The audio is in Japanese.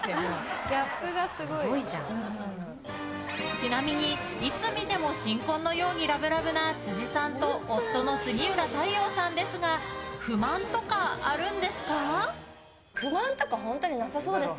ちなみに、いつ見ても新婚のようにラブラブな辻さんと夫の杉浦太陽さんですが不満とかあるんですか？